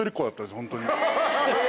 ホントに。